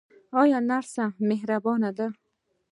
آیا نرسان مهربان دي؟